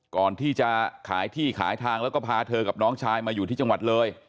ก่อนที่จะขายที่ขายทางแล้วก็พาเธอกับน้องชายมาอยู่ที่จังหวัดเลย